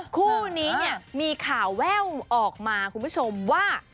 คู่นี้เนี่ยมีข่าวแว่วออกมาคุณผู้ชมว่า